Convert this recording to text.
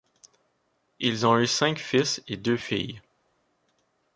Ils ont eu cinq fils et deux filles.